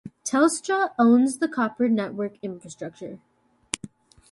Telstra owns the copper network infrastructure.